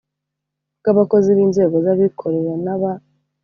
bw abakozi b inzego z abikorera n aba